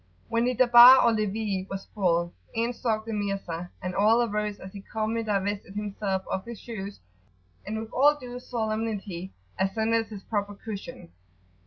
When the Darbar or levee was full, in stalked the Mirza, and all arose as he calmly divested himself of his shoes; and with all due [p.87]solemnity ascended his proper cushion.